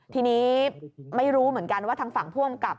ทีนี้ไม่รู้เหมือนกันว่าทางฝั่งผู้อำกับ